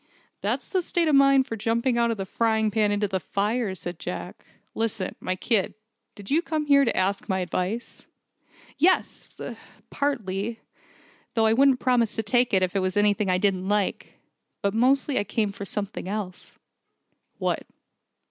"That's the state of mind for jumping out of the frying pan into the fire," said Jack. "Listen, my kid, did you come here to me to ask my advice?" "Yes, partly. Though I wouldn't promise to take it if it was anything I didn't like. But mostly I came for something else." "What?"